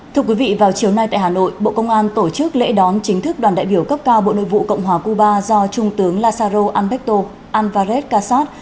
thưa quý vị vào chiều nay tại hà nội bộ công an tổ chức lễ đón chính thức đoàn đại biểu cấp cao bộ nội vụ cộng hòa cuba do trung tướng lazaro albecto alvarez casas